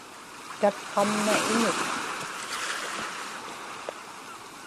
tatqamna iñuk